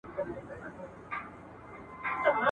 قضاوت به د ظالم په ژبه کیږي !.